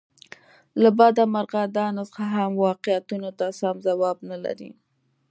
له بده مرغه دا نسخه هم واقعیتونو ته سم ځواب نه لري.